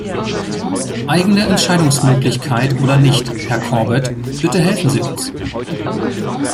Eigene Entscheidungsmöglichkeit oder nicht, Herr Corbett, bitte helfen Sie uns.